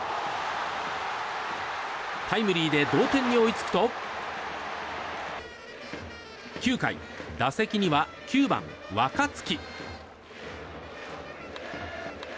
タイムリーで同点に追いつくと９回、打席には９番、若月。